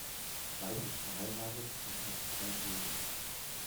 Kreis ist verheiratet und hat drei Söhne.